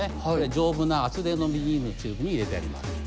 丈夫な厚手のビニールのチューブに入れてあります。